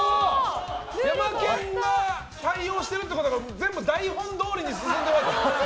ヤマケンが対応してるってことは全部台本どおりに進んでます。